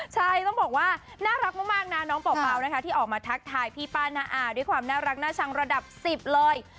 ใช่ต้องบอกว่าน่ารักมากนะน้องเป่านะคะที่ออกมาทักทายพี่ป้าน้าอาด้วยความน่ารักน่าชังระดับ๑๐เลย